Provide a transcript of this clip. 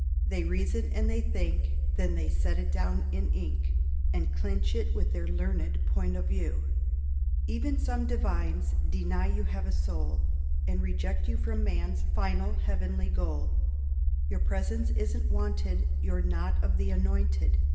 They "reason" and they "think," Then they set it down in ink, And clinch it with their learned "point of view." Even some divines deny you have a soul, And reject you from Man's final heav'nly goal: Your presence isn't wanted You're not of the anointed.